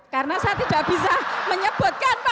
karena saya tidak bisa menyebutkan tujuh belas pulau